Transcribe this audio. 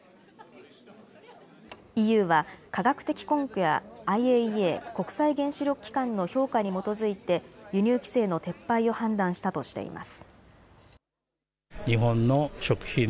ＥＵは科学的根拠やＩＡＥＡ・国際原子力機関の評価に基づいて輸入規制の撤廃を判断したとしています。